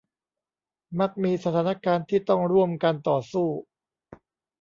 มักมีสถานการณ์ที่ต้องร่วมกันต่อสู้